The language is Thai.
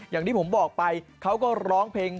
อย่างที่ผมบอกไปเขาก็ร้องเพลง